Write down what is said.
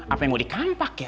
apa yang mau dikampak ya